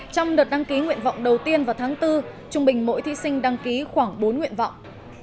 trong đợt đăng ký nguyện vọng đầu tiên vào tháng bốn trung bình mỗi thí sinh đăng ký khoảng bốn nguyện vọng